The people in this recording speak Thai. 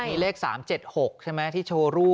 มีเลข๓๗๖ใช่ไหมที่โชว์รู